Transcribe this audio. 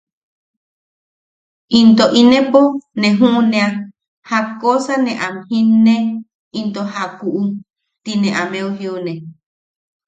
“¡into inepo ne juʼunea jakkosa ne am jinne into jakuʼu!” tine ameu jiune.